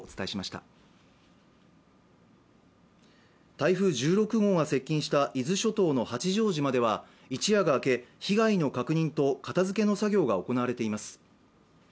台風１６号が接近した伊豆諸島の八丈島では一夜が明け被害の確認と片づけの作業が行われています。